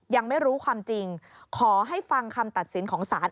ยังไม่รู้ความจริงขอให้ฟังคำตัดสินของศาล